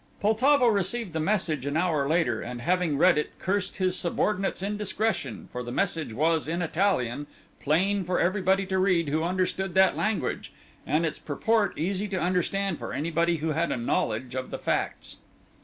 Poltavo received the message an hour later, and having read it, cursed his subordinate's indiscretion, for the message was in Italian, plain for everybody to read who understood that language, and its purport easy to understand for anybody who had a knowledge of the facts.